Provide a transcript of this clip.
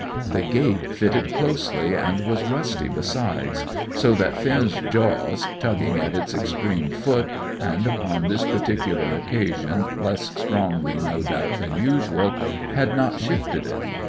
The gate fitted closely, and was rusty, besides; so that Finn's jaws, tugging at its extreme foot, and upon this particular occasion less strongly no doubt than usual, had not shifted it.